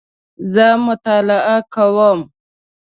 زه مطالعه کوم